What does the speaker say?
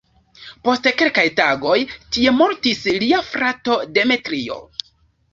Post kelkaj tagoj tie mortis lia frato "Demetrio".